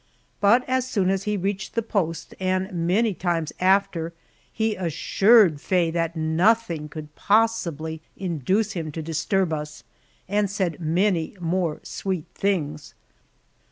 But as soon as he reached the post, and many times after, he assured Faye that nothing could possibly induce him to disturb us, and said many more sweet things.